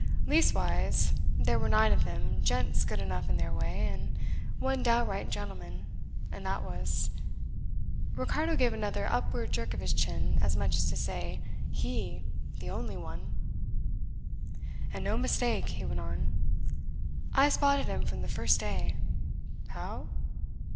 Leastwise there were nine of them gents good enough in their way, and one downright gentleman, and that was ..." Ricardo gave another upward jerk of his chin as much as to say: He! The only one. "And no mistake," he went on. "I spotted him from the first day. How?